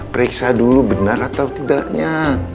periksa dulu benar atau tidaknya